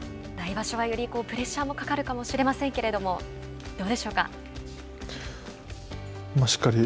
来場所はよりプレッシャーもかかるかもしれませんけれどもどうでしょうか。